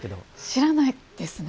知らないですね。